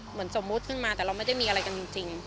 เหมือนสมมุติขึ้นมาแต่เราไม่ได้มีอะไรกันจริง